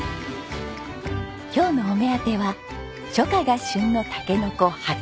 今日のお目当ては初夏が旬のタケノコ淡竹。